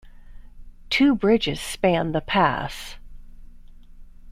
Two bridges span the Pass.